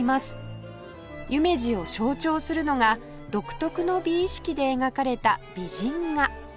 夢二を象徴するのが独特の美意識で描かれた美人画